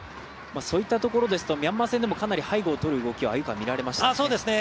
そういったところですとミャンマー戦でも背後をとる動き鮎川、見られましたね。